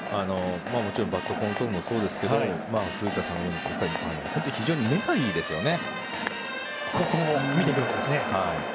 バットコントロールもそうですけど古田さんが言ったみたいに非常に目がいいですよね。